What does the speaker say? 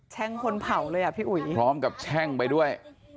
่งคนเผาเลยอ่ะพี่อุ๋ยพร้อมกับแช่งไปด้วย